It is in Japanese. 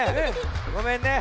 ごめんね。